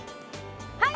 はい！